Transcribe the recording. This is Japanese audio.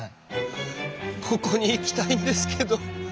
ここに行きたいんですけど。